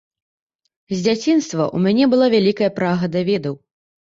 З дзяцінства ў мяне была вялікая прага да ведаў.